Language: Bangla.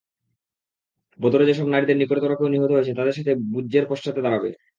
বদরে যেসব নারীদের নিকটতর কেউ নিহত হয়েছে তাদের সাথে ব্যুহের পশ্চাতে দাঁড়াবে।